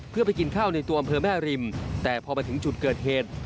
เพื่อไปกินข้าวในตัวอำเภอแม่ริมแต่พอมาถึงจุดเกิดเหตุ